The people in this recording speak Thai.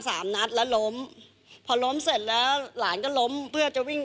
สามนัดแล้วล้มพอล้มเสร็จแล้วหลานก็ล้มเพื่อจะวิ่ง